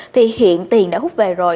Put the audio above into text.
thì hiện tiền đã hút về rồi